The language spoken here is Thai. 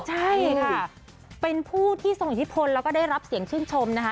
ใช่ค่ะเป็นผู้ที่ทรงอิทธิพลแล้วก็ได้รับเสียงชื่นชมนะคะ